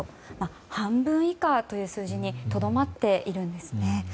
半分以下という数字にとどまっているんですね。